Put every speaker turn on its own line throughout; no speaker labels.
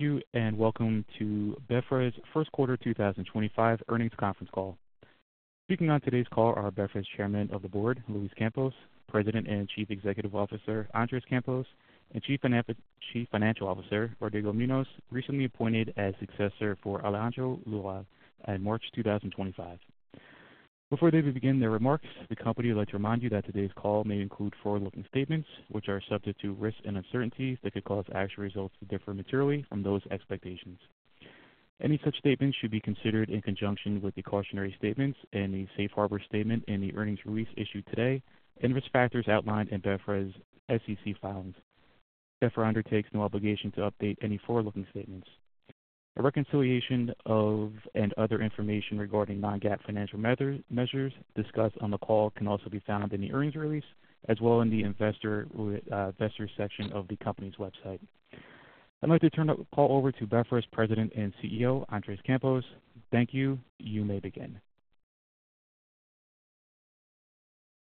Thank you, and welcome to BeFra's first quarter 2025 earnings conference call. Speaking on today's call are BeFra's Chairman of the Board, Luis Campos, President and Chief Executive Officer, Andres Campos, and Chief Financial Officer, Rodrigo Muñoz, recently appointed as successor for Alejandro Ulloa in March 2025. Before they begin their remarks, the company would like to remind you that today's call may include forward-looking statements, which are subject to risks and uncertainties that could cause actual results to differ materially from those expectations. Any such statements should be considered in conjunction with the cautionary statements and the safe harbor statement in the earnings release issued today, and risk factors outlined in BeFra's SEC filings. BeFra undertakes no obligation to update any forward-looking statements. A reconciliation of and other information regarding non-GAAP financial measures discussed on the call can also be found in the earnings release, as well as in the investor section of the company's website. I'd like to turn the call over to BeFra's President and CEO, Andres Campos. Thank you. You may begin.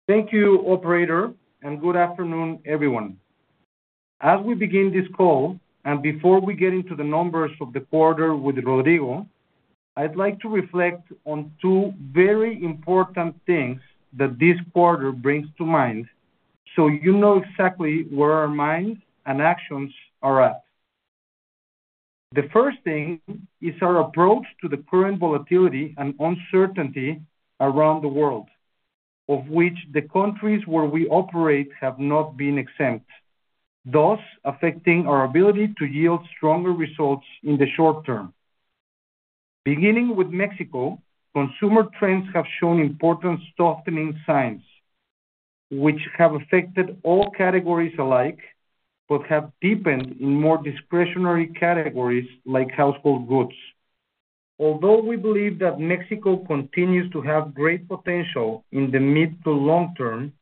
Thank you, Operator, and good afternoon, everyone. As we begin this call, and before we get into the numbers of the quarter with Rodrigo, I'd like to reflect on two very important things that this quarter brings to mind so you know exactly where our minds and actions are at. The first thing is our approach to the current volatility and uncertainty around the world, of which the countries where we operate have not been exempt, thus affecting our ability to yield stronger results in the short term. Beginning with Mexico, consumer trends have shown important softening signs, which have affected all categories alike, but have deepened in more discretionary categories like household goods. Although we believe that Mexico continues to have great potential in the mid to long term,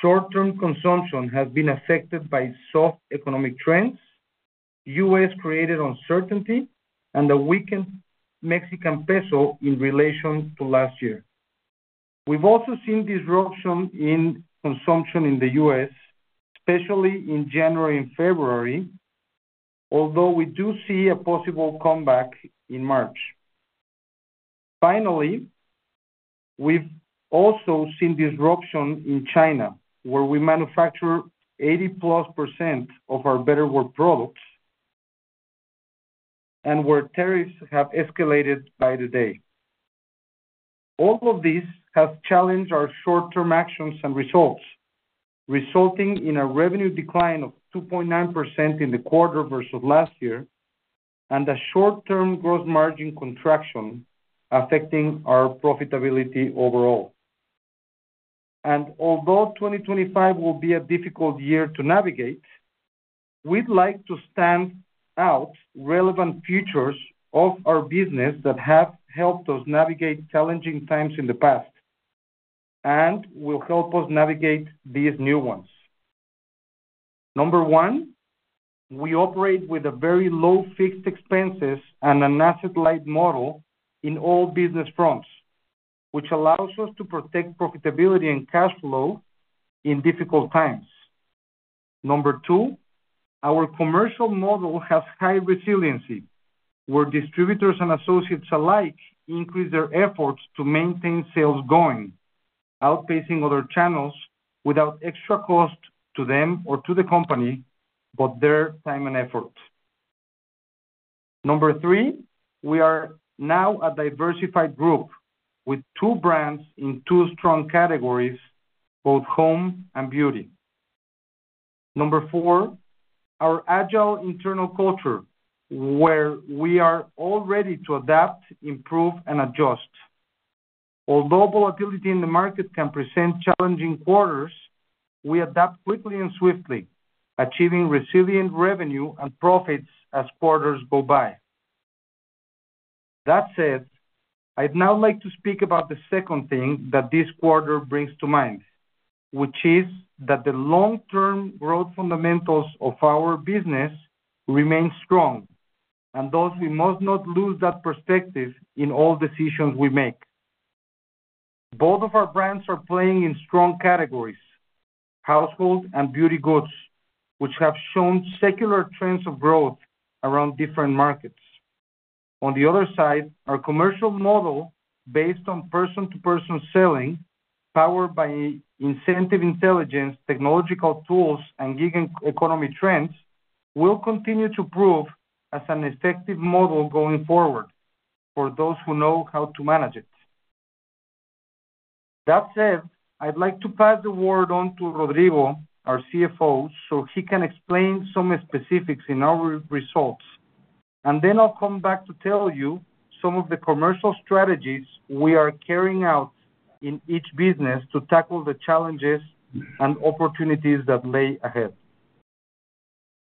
short-term consumption has been affected by soft economic trends, U.S.-created uncertainty, and a weakened Mexican peso in relation to last year. We've also seen disruption in consumption in the U.S., especially in January and February, although we do see a possible comeback in March. Finally, we've also seen disruption in China, where we manufacture 80-plus percent of our Betterware products, and where tariffs have escalated by the day. All of this has challenged our short-term actions and results, resulting in a revenue decline of 2.9% in the quarter versus last year, and a short-term gross margin contraction affecting our profitability overall. Although 2025 will be a difficult year to navigate, we'd like to stand out relevant features of our business that have helped us navigate challenging times in the past, and will help us navigate these new ones. Number one, we operate with very low fixed expenses and an asset-light model in all business fronts, which allows us to protect profitability and cash flow in difficult times. Number two, our commercial model has high resiliency, where distributors and associates alike increase their efforts to maintain sales going, outpacing other channels without extra cost to them or to the company, but their time and effort. Number three, we are now a diversified group with two brands in two strong categories, both home and beauty. Number four, our agile internal culture, where we are all ready to adapt, improve, and adjust. Although volatility in the market can present challenging quarters, we adapt quickly and swiftly, achieving resilient revenue and profits as quarters go by. That said, I'd now like to speak about the second thing that this quarter brings to mind, which is that the long-term growth fundamentals of our business remain strong, and thus we must not lose that perspective in all decisions we make. Both of our brands are playing in strong categories, household and beauty goods, which have shown secular trends of growth around different markets. On the other side, our commercial model, based on person-to-person selling, powered by incentive intelligence, technological tools, and gig economy trends, will continue to prove as an effective model going forward for those who know how to manage it. That said, I'd like to pass the word on to Rodrigo, our CFO, so he can explain some specifics in our results, and then I'll come back to tell you some of the commercial strategies we are carrying out in each business to tackle the challenges and opportunities that lay ahead.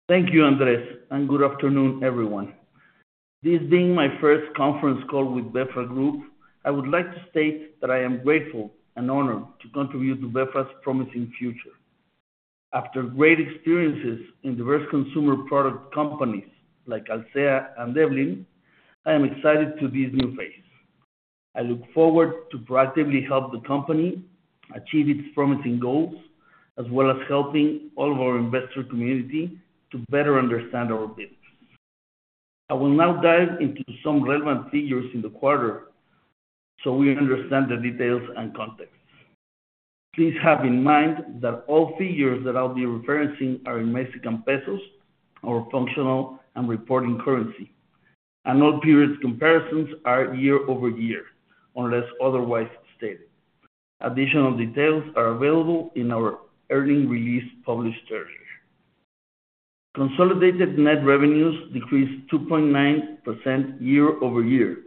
Thank you, Andres, and good afternoon, everyone. This being my first conference call with BeFra Group, I would like to state that I am grateful and honored to contribute to BeFra's promising future. After great experiences in diverse consumer product companies like Alsea and Devlyn, I am excited to be in this new phase. I look forward to proactively helping the company achieve its promising goals, as well as helping all of our investor community to better understand our business. I will now dive into some relevant figures in the quarter so we understand the details and context. Please have in mind that all figures that I'll be referencing are in Mexican pesos, our functional and reporting currency, and all periods' comparisons are year-over-year, unless otherwise stated. Additional details are available in our earnings release published earlier. Consolidated net revenues decreased 2.9% year-over-year,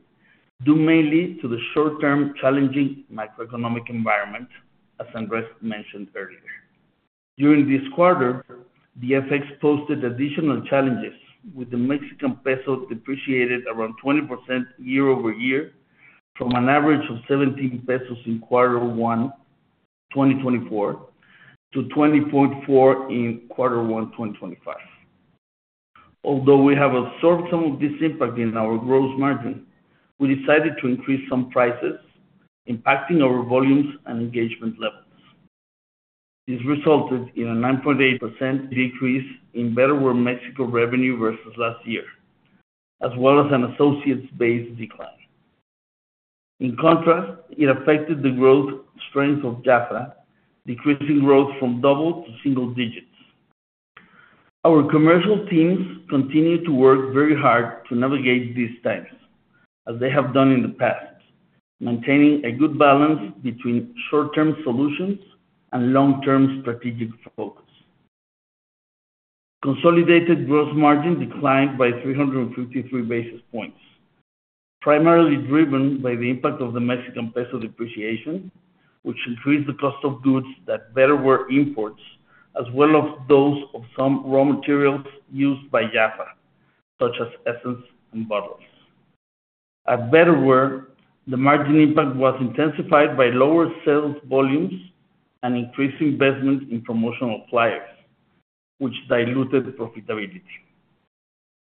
due mainly to the short-term challenging macroeconomic environment, as Andres mentioned earlier. During this quarter, the FX posted additional challenges, with the Mexican peso depreciated around 20% year-over-year from an average of 17 pesos in quarter one 2024 to 20.4 in quarter one 2025. Although we have observed some of this impact in our gross margin, we decided to increase some prices, impacting our volumes and engagement levels. This resulted in a 9.8% decrease in Betterware Mexico revenue versus last year, as well as an associates-based decline. In contrast, it affected the growth strength of Jafra, decreasing growth from double to single digits. Our commercial teams continue to work very hard to navigate these times, as they have done in the past, maintaining a good balance between short-term solutions and long-term strategic focus. Consolidated gross margin declined by 353 basis points, primarily driven by the impact of the Mexican peso depreciation, which increased the cost of goods that Betterware imports, as well as those of some raw materials used by Jafra, such as essence and bottles. At Betterware, the margin impact was intensified by lower sales volumes and increased investment in promotional flyers, which diluted the profitability.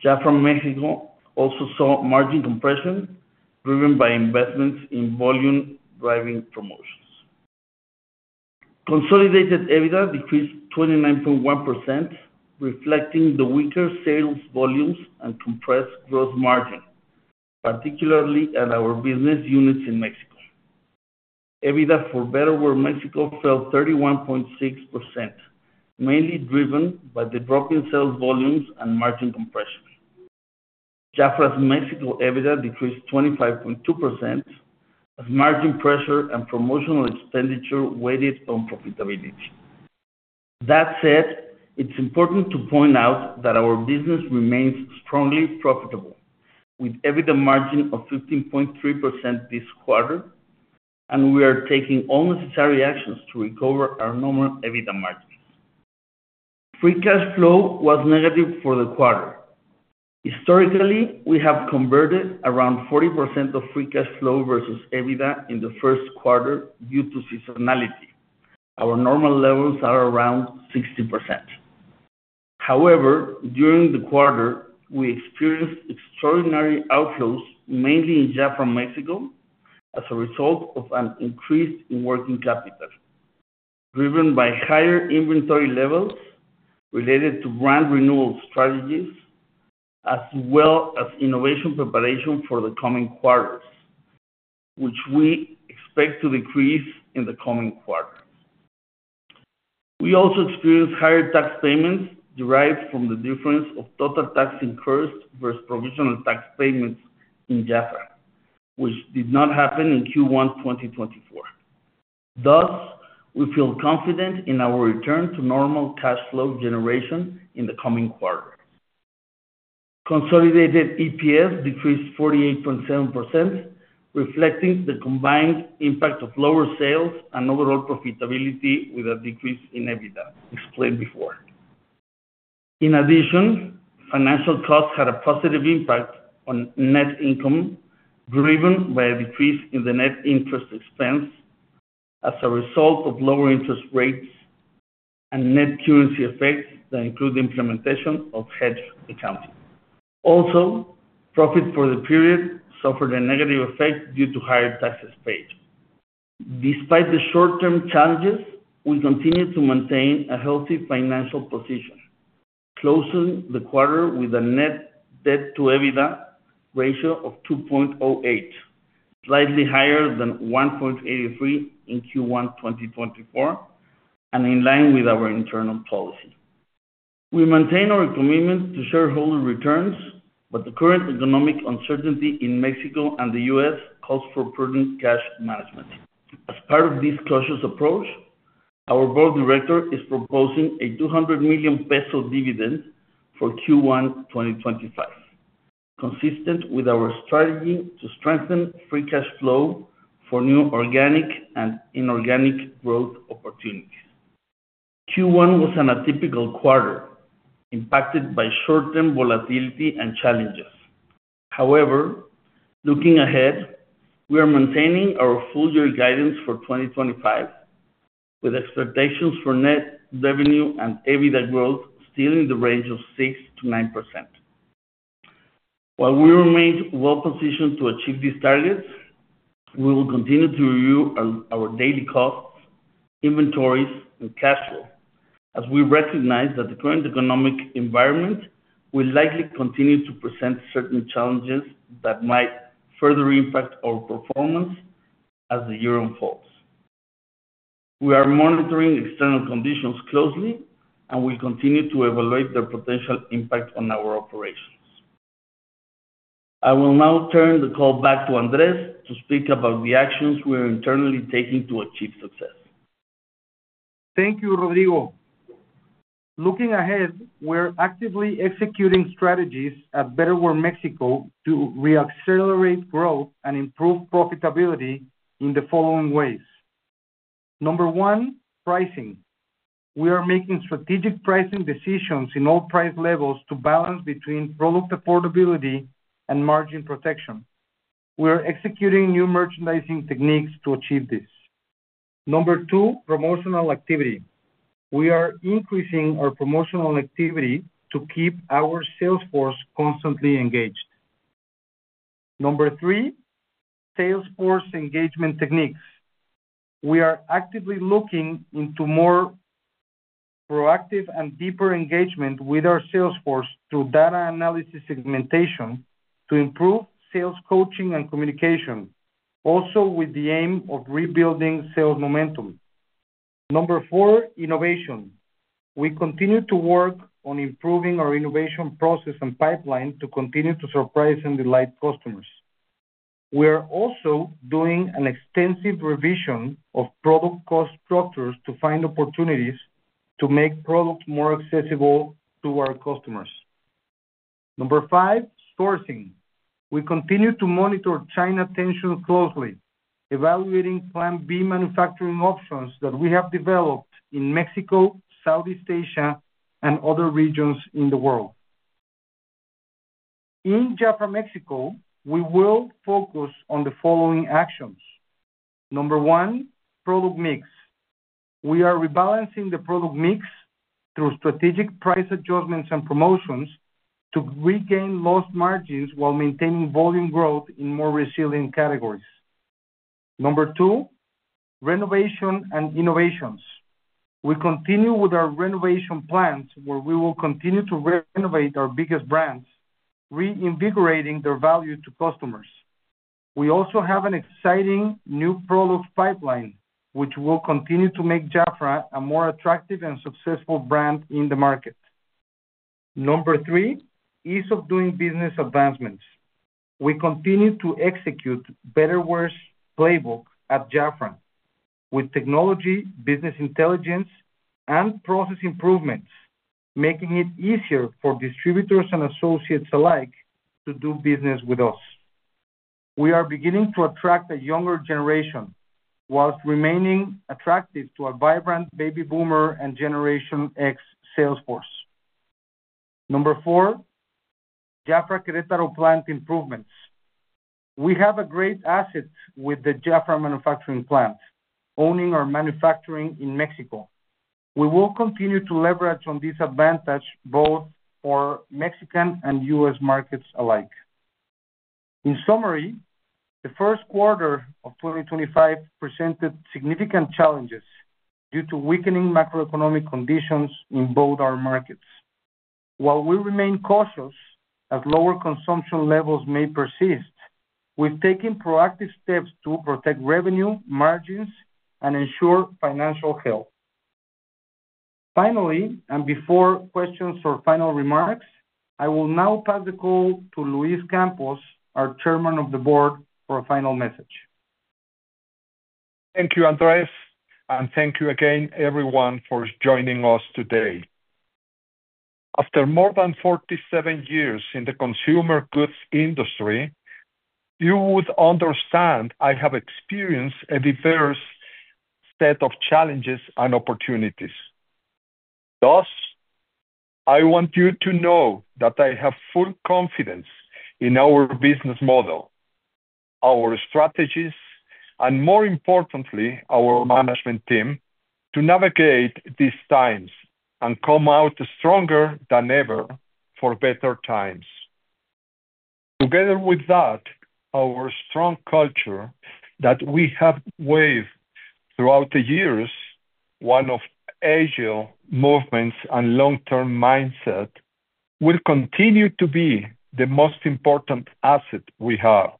Jafra Mexico also saw margin compression driven by investments in volume-driving promotions. Consolidated EBITDA decreased 29.1%, reflecting the weaker sales volumes and compressed gross margin, particularly at our business units in Mexico. EBITDA for Betterware Mexico fell 31.6%, mainly driven by the drop in sales volumes and margin compression. Jafra's Mexico EBITDA decreased 25.2%, as margin pressure and promotional expenditure weighted on profitability. That said, it's important to point out that our business remains strongly profitable, with EBITDA margin of 15.3% this quarter, and we are taking all necessary actions to recover our normal EBITDA margin. Free cash flow was negative for the quarter. Historically, we have converted around 40% of free cash flow versus EBITDA in the first quarter due to seasonality. Our normal levels are around 60%. However, during the quarter, we experienced extraordinary outflows, mainly in Jafra Mexico, as a result of an increase in working capital, driven by higher inventory levels related to brand renewal strategies, as well as innovation preparation for the coming quarters, which we expect to decrease in the coming quarter. We also experienced higher tax payments derived from the difference of total tax incurred versus provisional tax payments in Jafra, which did not happen in Q1 2024. Thus, we feel confident in our return to normal cash flow generation in the coming quarter. Consolidated EPS decreased 48.7%, reflecting the combined impact of lower sales and overall profitability with a decrease in EBITDA explained before. In addition, financial costs had a positive impact on net income, driven by a decrease in the net interest expense as a result of lower interest rates and net currency effects that include the implementation of hedge accounting. Also, profits for the period suffered a negative effect due to higher taxes paid. Despite the short-term challenges, we continue to maintain a healthy financial position, closing the quarter with a net debt-to-EBITDA ratio of 2.08, slightly higher than 1.83 in Q1 2024, and in line with our internal policy. We maintain our commitment to shareholder returns, but the current economic uncertainty in Mexico and the U.S. calls for prudent cash management. As part of this cautious approach, our Board of Directors is proposing a 200 million peso dividend for Q1 2025, consistent with our strategy to strengthen free cash flow for new organic and inorganic growth opportunities. Q1 was an atypical quarter, impacted by short-term volatility and challenges. However, looking ahead, we are maintaining our full-year guidance for 2025, with expectations for net revenue and EBITDA growth still in the range of 6%-9%. While we remain well-positioned to achieve these targets, we will continue to review our daily costs, inventories, and cash flow, as we recognize that the current economic environment will likely continue to present certain challenges that might further impact our performance as the year unfolds. We are monitoring external conditions closely, and we continue to evaluate their potential impact on our operations. I will now turn the call back to Andres to speak about the actions we are internally taking to achieve success.
Thank you, Rodrigo. Looking ahead, we're actively executing strategies at Betterware Mexico to re-accelerate growth and improve profitability in the following ways. Number one, pricing. We are making strategic pricing decisions in all price levels to balance between product affordability and margin protection. We are executing new merchandising techniques to achieve this. Number two, promotional activity. We are increasing our promotional activity to keep our sales force constantly engaged. Number three, sales force engagement techniques. We are actively looking into more proactive and deeper engagement with our sales force through data analysis segmentation to improve sales coaching and communication, also with the aim of rebuilding sales momentum. Number four, innovation. We continue to work on improving our innovation process and pipeline to continue to surprise and delight customers. We are also doing an extensive revision of product cost structures to find opportunities to make product more accessible to our customers. Number five, sourcing. We continue to monitor China tension closely, evaluating plan B manufacturing options that we have developed in Mexico, Southeast Asia, and other regions in the world. In Jafra Mexico, we will focus on the following actions. Number one, product mix. We are rebalancing the product mix through strategic price adjustments and promotions to regain lost margins while maintaining volume growth in more resilient categories. Number two, renovation and innovations. We continue with our renovation plans, where we will continue to renovate our biggest brands, reinvigorating their value to customers. We also have an exciting new product pipeline, which will continue to make Jafra a more attractive and successful brand in the market. Number three, ease of doing business advancements. We continue to execute Betterware's playbook at Jafra, with technology, business intelligence, and process improvements, making it easier for distributors and associates alike to do business with us. We are beginning to attract a younger generation while remaining attractive to a vibrant baby boomer and Generation X sales force. Number four, Jafra Querétaro plant improvements. We have a great asset with the Jafra manufacturing plant, owning our manufacturing in Mexico. We will continue to leverage on this advantage both for Mexican and U.S. markets alike. In summary, the first quarter of 2025 presented significant challenges due to weakening macroeconomic conditions in both our markets. While we remain cautious as lower consumption levels may persist, we've taken proactive steps to protect revenue margins and ensure financial health. Finally, and before questions or final remarks, I will now pass the call to Luis Campos, our Chairman of the Board, for a final message.
Thank you, Andres, and thank you again, everyone, for joining us today. After more than 47 years in the consumer goods industry, you would understand I have experienced a diverse set of challenges and opportunities. Thus, I want you to know that I have full confidence in our business model, our strategies, and, more importantly, our management team to navigate these times and come out stronger than ever for better times. Together with that, our strong culture that we have woven throughout the years, one of agile movements and long-term mindset, will continue to be the most important asset we have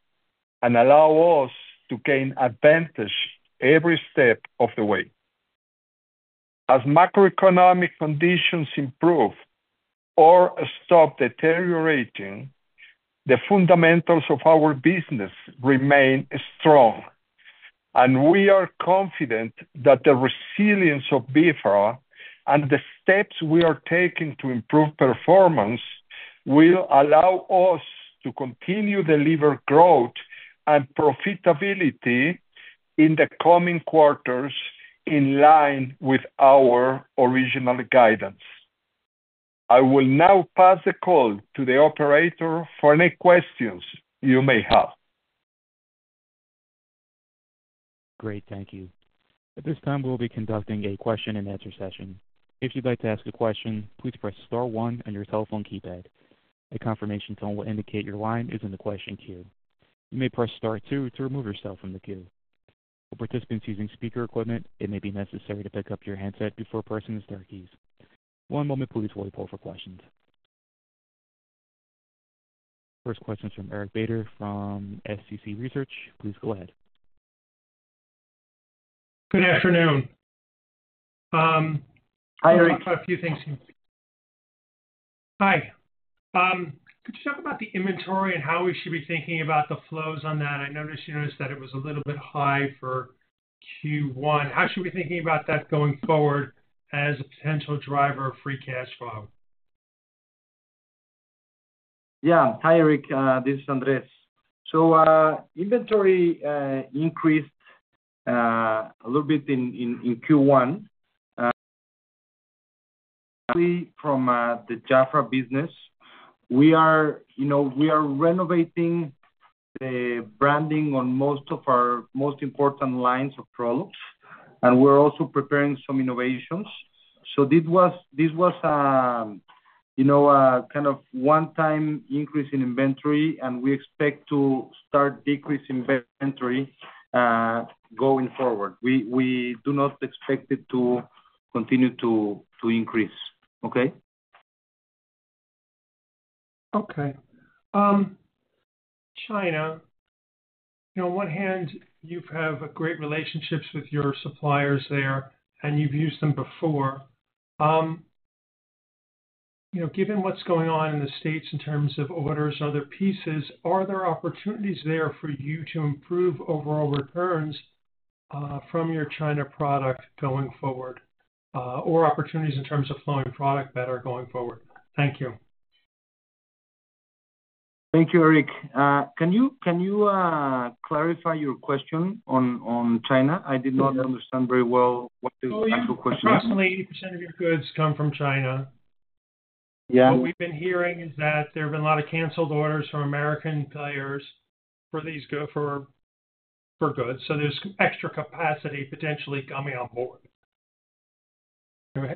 and allow us to gain advantage every step of the way. As macroeconomic conditions improve or stop deteriorating, the fundamentals of our business remain strong, and we are confident that the resilience of BeFra and the steps we are taking to improve performance will allow us to continue to deliver growth and profitability in the coming quarters in line with our original guidance. I will now pass the call to the operator for any questions you may have.
Great. Thank you. At this time, we'll be conducting a question-and-answer session. If you'd like to ask a question, please press star one on your cell phone keypad. A confirmation tone will indicate your line is in the question queue. You may press star two to remove yourself from the queue. For participants using speaker equipment, it may be necessary to pick up your handset before pressing the star keys. One moment, please, while we poll for questions. First question is from Eric Beder from SCC Research. Please go ahead.
Good afternoon.
Hi, Eric.
A few things here. Hi. Could you talk about the inventory and how we should be thinking about the flows on that? I noticed that it was a little bit high for Q1. How should we be thinking about that going forward as a potential driver of free cash flow?
Yeah. Hi, Eric. This is Andres. Inventory increased a little bit in Q1. From the Jafra business, we are renovating the branding on most of our most important lines of products, and we are also preparing some innovations. This was a kind of one-time increase in inventory, and we expect to start decreasing inventory going forward. We do not expect it to continue to increase. Okay?
Okay. China, on one hand, you have great relationships with your suppliers there, and you've used them before. Given what's going on in the States in terms of orders, other pieces, are there opportunities there for you to improve overall returns from your China product going forward, or opportunities in terms of flowing product better going forward? Thank you.
Thank you, Eric. Can you clarify your question on China? I did not understand very well what the actual question is.
Oh, yeah. Approximately 80% of your goods come from China.
Yeah.
What we've been hearing is that there have been a lot of canceled orders from American players for goods, so there's extra capacity potentially coming on board.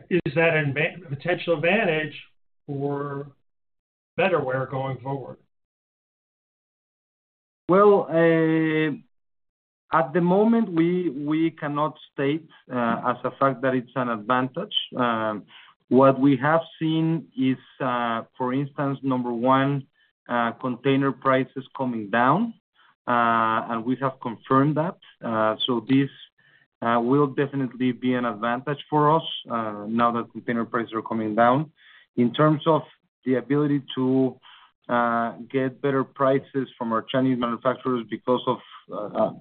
Is that a potential advantage for Betterware going forward?
At the moment, we cannot state as a fact that it's an advantage. What we have seen is, for instance, number one, container prices coming down, and we have confirmed that. This will definitely be an advantage for us now that container prices are coming down. In terms of the ability to get better prices from our Chinese manufacturers because of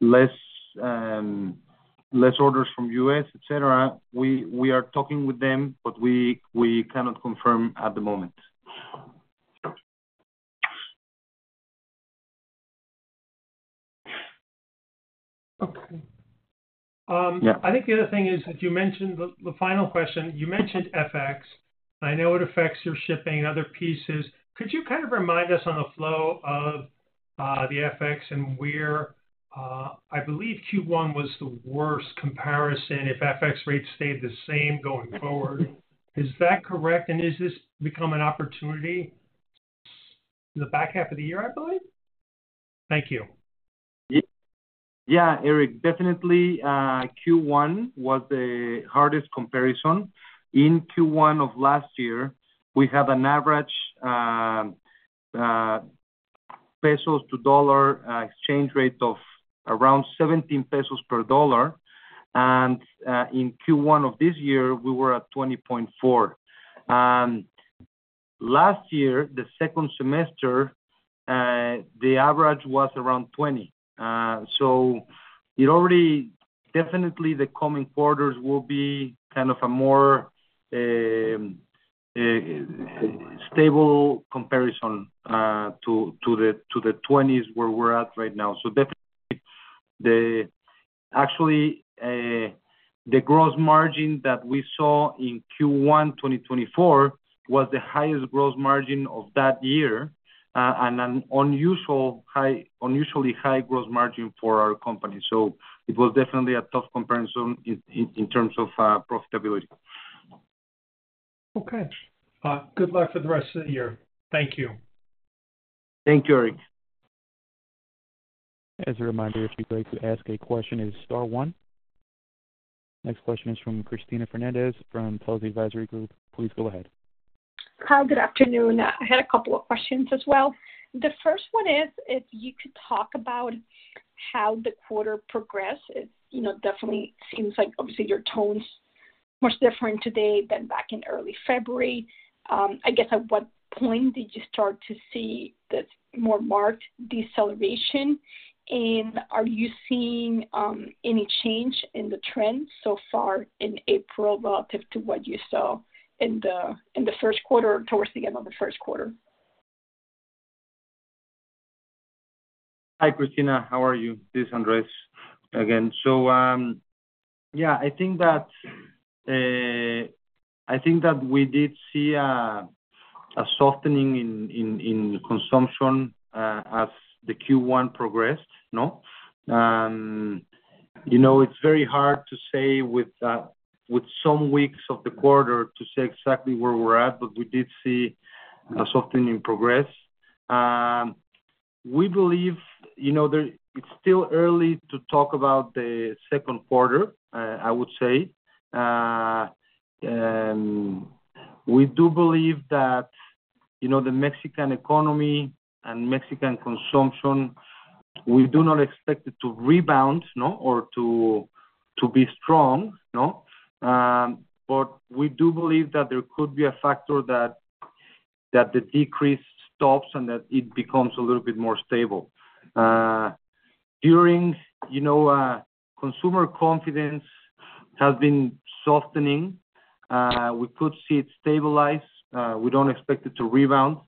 less orders from the U.S., etc., we are talking with them, but we cannot confirm at the moment.
Okay. I think the other thing is that you mentioned the final question. You mentioned FX. I know it affects your shipping and other pieces. Could you kind of remind us on the flow of the FX and where, I believe, Q1 was the worst comparison if FX rates stayed the same going forward? Is that correct? Is this becoming an opportunity? The back half of the year, I believe? Thank you.
Yeah, Eric. Definitely, Q1 was the hardest comparison. In Q1 of last year, we had an average peso to dollar exchange rate of around 17 pesos per dollar. In Q1 of this year, we were at 20.4. Last year, the second semester, the average was around 20. It already definitely means the coming quarters will be kind of a more stable comparison to the 20s where we're at right now. Actually, the gross margin that we saw in Q1 2024 was the highest gross margin of that year and an unusually high gross margin for our company. It was definitely a tough comparison in terms of profitability.
Okay. Good luck for the rest of the year. Thank you.
Thank you, Eric.
As a reminder, if you'd like to ask a question, it is star one. Next question is from Cristina Fernandez from Telsey Advisory Group. Please go ahead.
Hi, good afternoon. I had a couple of questions as well. The first one is if you could talk about how the quarter progressed. It definitely seems like, obviously, your tone's much different today than back in early February. I guess at what point did you start to see this more marked deceleration? Are you seeing any change in the trend so far in April relative to what you saw in the first quarter or towards the end of the first quarter?
Hi, Cristina. How are you? This is Andres again. Yeah, I think that we did see a softening in consumption as the Q1 progressed. It's very hard to say with some weeks of the quarter to say exactly where we're at, but we did see a softening progress. We believe it's still early to talk about the second quarter, I would say. We do believe that the Mexican economy and Mexican consumption, we do not expect it to rebound or to be strong. We do believe that there could be a factor that the decrease stops and that it becomes a little bit more stable. Consumer confidence has been softening. We could see it stabilize. We don't expect it to rebound.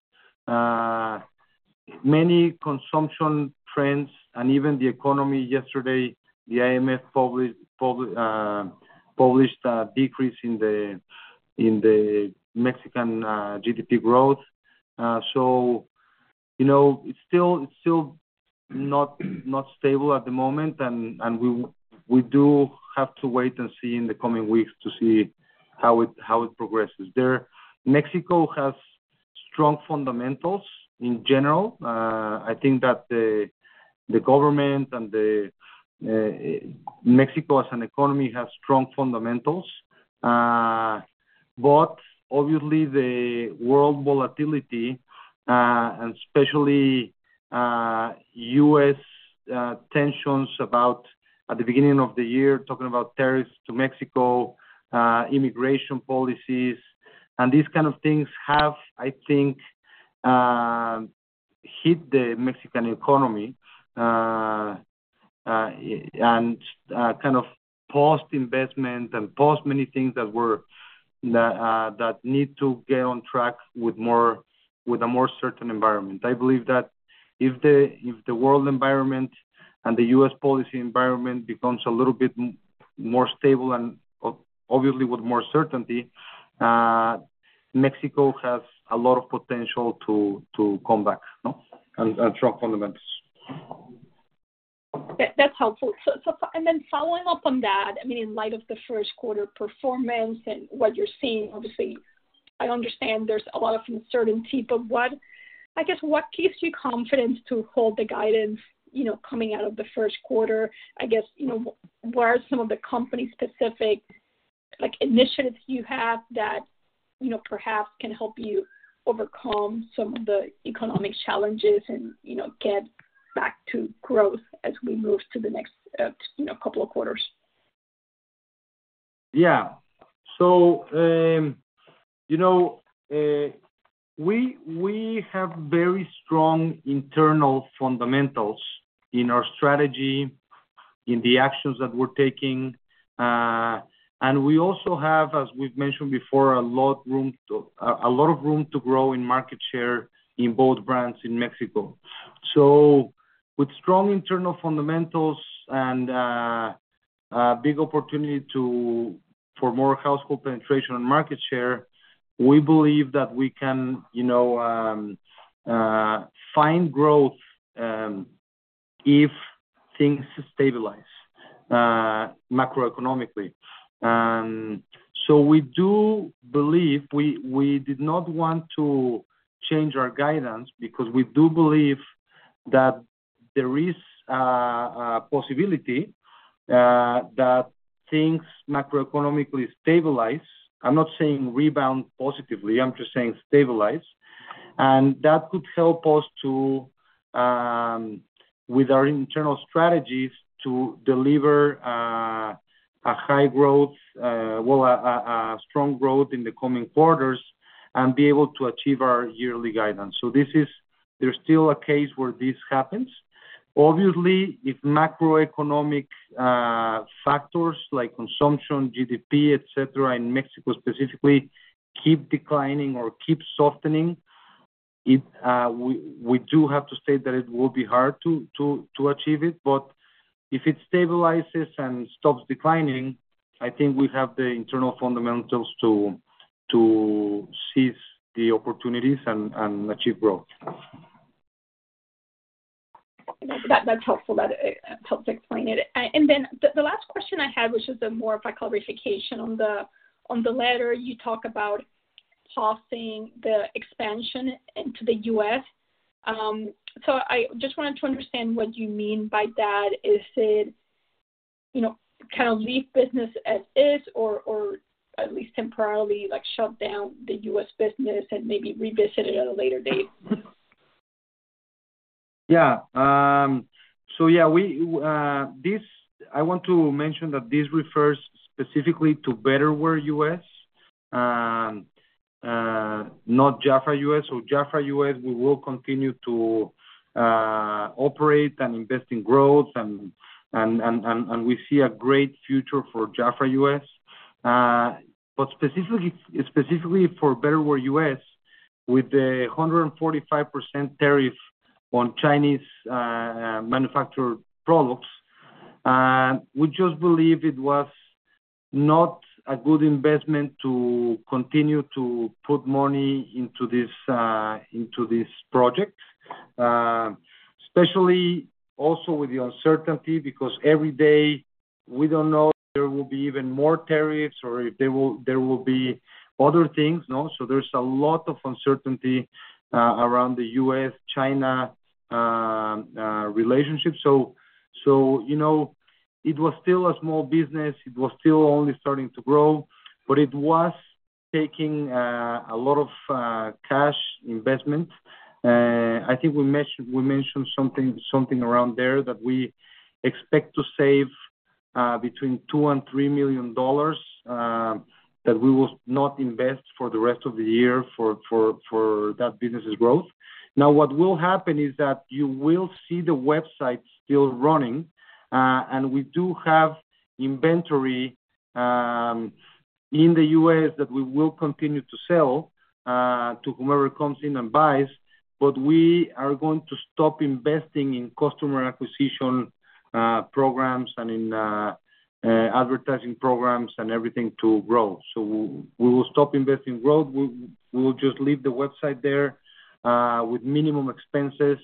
Many consumption trends and even the economy yesterday, the IMF published a decrease in the Mexican GDP growth. It is still not stable at the moment, and we do have to wait and see in the coming weeks to see how it progresses. Mexico has strong fundamentals in general. I think that the government and Mexico as an economy have strong fundamentals. Obviously, the world volatility, and especially U.S. tensions about at the beginning of the year, talking about tariffs to Mexico, immigration policies, and these kind of things have, I think, hit the Mexican economy and kind of paused investment and paused many things that need to get on track with a more certain environment. I believe that if the world environment and the U.S. policy environment becomes a little bit more stable and obviously with more certainty, Mexico has a lot of potential to come back and strong fundamentals.
That's helpful. I mean, in light of the first quarter performance and what you're seeing, obviously, I understand there's a lot of uncertainty. I guess what gives you confidence to hold the guidance coming out of the first quarter? I guess what are some of the company-specific initiatives you have that perhaps can help you overcome some of the economic challenges and get back to growth as we move to the next couple of quarters?
Yeah. We have very strong internal fundamentals in our strategy, in the actions that we're taking. We also have, as we've mentioned before, a lot of room to grow in market share in both brands in Mexico. With strong internal fundamentals and a big opportunity for more household penetration and market share, we believe that we can find growth if things stabilize macroeconomically. We do believe we did not want to change our guidance because we do believe that there is a possibility that things macroeconomically stabilize. I'm not saying rebound positively. I'm just saying stabilize. That could help us with our internal strategies to deliver a high growth, well, a strong growth in the coming quarters and be able to achieve our yearly guidance. There is still a case where this happens. Obviously, if macroeconomic factors like consumption, GDP, etc., in Mexico specifically keep declining or keep softening, we do have to state that it will be hard to achieve it. If it stabilizes and stops declining, I think we have the internal fundamentals to seize the opportunities and achieve growth.
That's helpful. That helps explain it. The last question I had, which is more of a clarification. On the letter, you talk about pausing the expansion into the U.S. I just wanted to understand what you mean by that. Is it kind of leave business as is or at least temporarily shut down the U.S. business and maybe revisit it at a later date?
Yeah. Yeah, I want to mention that this refers specifically to Betterware US, not Jafra US. Jafra US, we will continue to operate and invest in growth, and we see a great future for Jafra US. Specifically for Betterware US, with the 145% tariff on Chinese manufactured products, we just believe it was not a good investment to continue to put money into this project, especially also with the uncertainty because every day we do not know if there will be even more tariffs or if there will be other things. There is a lot of uncertainty around the U.S.-China relationship. It was still a small business. It was still only starting to grow, but it was taking a lot of cash investment. I think we mentioned something around there that we expect to save between $2 million and $3 million that we will not invest for the rest of the year for that business's growth. What will happen is that you will see the website still running, and we do have inventory in the U.S. that we will continue to sell to whomever comes in and buys. We are going to stop investing in customer acquisition programs and in advertising programs and everything to grow. We will stop investing in growth. We will just leave the website there with minimum expenses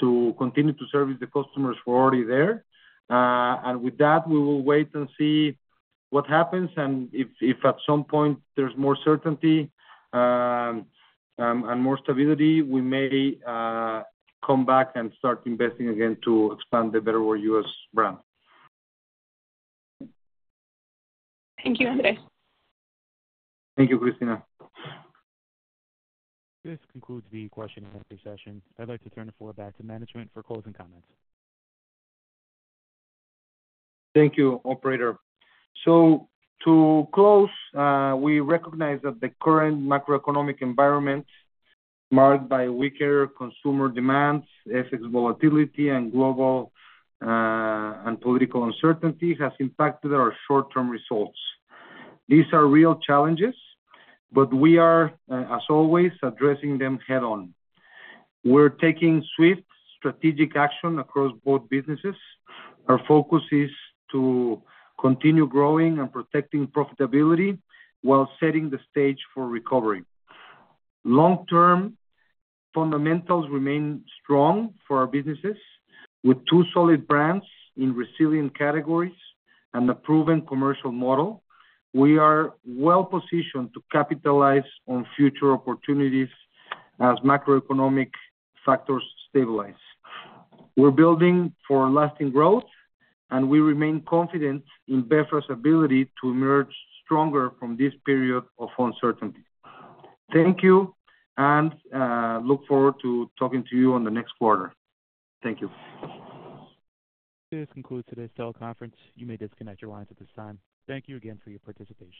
to continue to service the customers who are already there. With that, we will wait and see what happens. If at some point there is more certainty and more stability, we may come back and start investing again to expand the Betterware US brand.
Thank you, Andres.
Thank you, Cristina.
This concludes the question and answer session. I'd like to turn the floor back to management for closing comments.
Thank you, Operator. To close, we recognize that the current macroeconomic environment, marked by weaker consumer demands, FX volatility, and global and political uncertainty, has impacted our short-term results. These are real challenges, but we are, as always, addressing them head-on. We're taking swift strategic action across both businesses. Our focus is to continue growing and protecting profitability while setting the stage for recovery. Long-term fundamentals remain strong for our businesses. With two solid brands in resilient categories and a proven commercial model, we are well-positioned to capitalize on future opportunities as macroeconomic factors stabilize. We're building for lasting growth, and we remain confident in BeFra's ability to emerge stronger from this period of uncertainty. Thank you, and look forward to talking to you on the next quarter. Thank you.
This concludes today's teleconference. You may disconnect your lines at this time. Thank you again for your participation.